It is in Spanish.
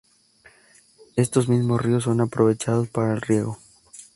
Estos mismos ríos son aprovechados para el riego.